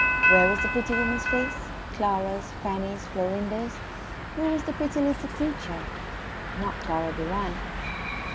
Where was the pretty woman's face? Clara's Fanny's Florinda's? Who was the pretty little creature? Not Clara Durrant.